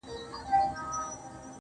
سترگي دي پټي كړه ويدېږمه زه.